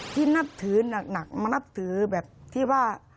ที่นับถือหนักมานับถือแบบที่ว่า